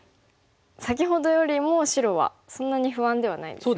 先ほどよりも白はそんなに不安ではないですよね。